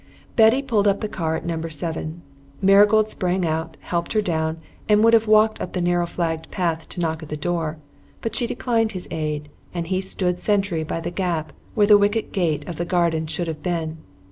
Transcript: Betty pulled up the car at Number Seven. Marigold sprang out, helped her down, and would have walked up the narrow flagged path to knock at the door. But she declined his aid, and he stood sentry by the gap where the wicket gate of the garden should have been.